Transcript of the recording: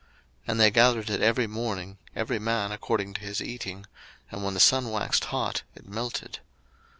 02:016:021 And they gathered it every morning, every man according to his eating: and when the sun waxed hot, it melted.